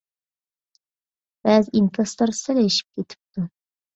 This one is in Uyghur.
بەزى ئىنكاسلار سەل ئېشىپ كېتىپتۇ.